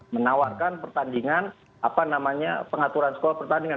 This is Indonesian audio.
menawarkan pertandingan apa namanya pengaturan skor pertandingan